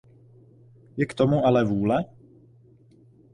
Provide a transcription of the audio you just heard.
Je k tomu ale vůle?